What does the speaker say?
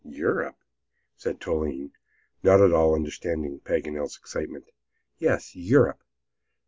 "Europe?" said Toline not at all understanding Paganel's excitement. "Yes, Europe!